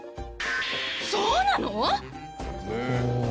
そうなの！？